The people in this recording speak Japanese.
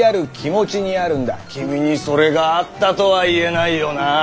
君にそれがあったとは言えないよなぁ。